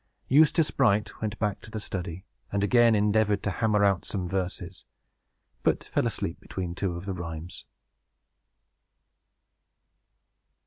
Eustace Bright went back to the study, and again endeavored to hammer out some verses, but fell asleep between two of the rhymes.